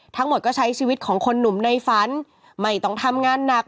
ทั้งหมดก็ใช้ชีวิตของคนหนุ่มในฝันไม่ต้องทำงานหนัก